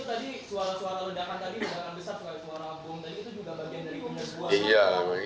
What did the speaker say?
suara bom tadi itu juga bagian dari pembinaan sebuah kan